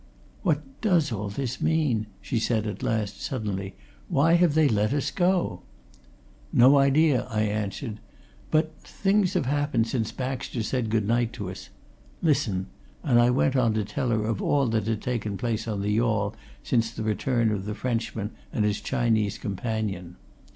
"What does all this mean!" she said at last, suddenly. "Why have they let us go?" "No idea," I answered. "But things have happened since Baxter said good night to us. Listen!" And I went on to tell her of all that had taken place on the yawl since the return of the Frenchman and his Chinese companion.